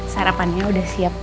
sarapannya udah siap